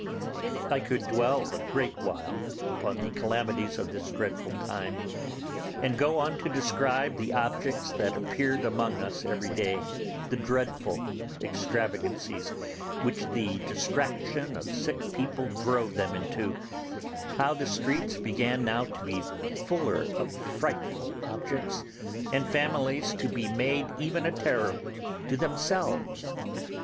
I could dwell a great while upon the calamities of this dreadful time, and go on to describe the objects that appeared among us every day, the dreadful extravagancies which the distraction of sick people drove them into; how the streets began now to be fuller of frightful objects, and families to be made even a terror to themselves.